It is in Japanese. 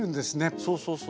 そうそうそう。